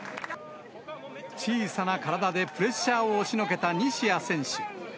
小さな体でプレッシャーを押しのけた西矢選手。